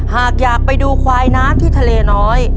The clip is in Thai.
หากอยากไปดูควายน้ำที่ทะเลน้อย